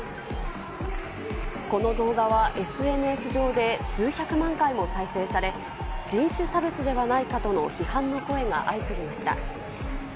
この動画はＳＮＳ上で数百万回も再生され、人種差別ではないかとの批判の声が相次ぎました。